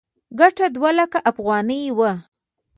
ګټه دوه لکه افغانۍ وه.